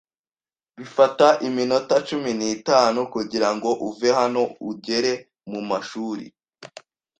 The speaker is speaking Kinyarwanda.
Bifata iminota cumi n'itanu kugirango uve hano ugere mumashuri.